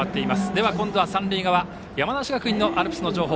では今度は三塁側、山梨学院のアルプスの情報。